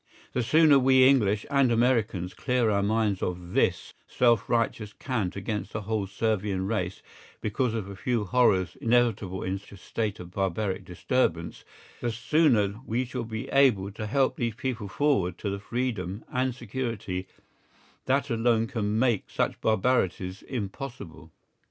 The sooner we English and Americans clear our minds of this self righteous cant against the whole Servian race because of a few horrors inevitable in a state of barbaric disturbance, the sooner we shall be able to help these peoples forward to the freedom and security that alone can make such barbarities impossible.